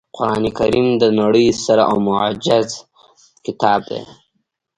قرانکریم د نړۍ ستر او معجز کتاب دی